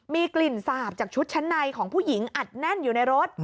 มีกลิ่นสาบจากชุดชั้นในของผู้หญิงอัดแน่นอยู่ในรถ